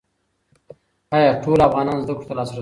ایا ټول افغانان زده کړو ته لاسرسی لري؟